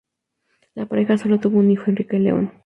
La pareja sólo tuvo un hijo, Enrique el León.